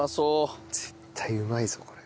絶対うまいぞこれ。